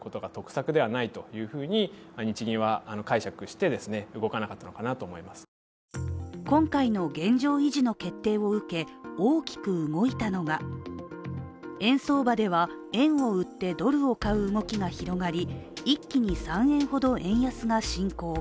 専門家は今回の現状維持の決定を受け、大きく動いたのが円相場では円を売ってドルを買う動きが広がり一気に３円ほど円安が進行。